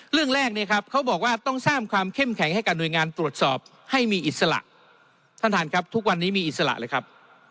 เรื่องแรกเนี่ยครับเขาบอกว่าต้องสร้างความเข้มแข็งให้กับหน่วยงานตรวจสอบให้มีอิสระท่านท่านครับทุกวันนี้มีอิสระเลยครับ